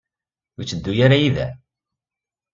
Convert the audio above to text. Ur yetteddu ara yid-m?